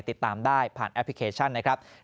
ติดตามได้ผ่านแอปพลิเคชัน